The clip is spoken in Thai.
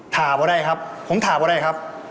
ก็ได้ครับผมถามก็ได้ครับ